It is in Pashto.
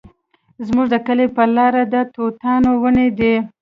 زموږ د کلي په لاره د توتانو ونې دي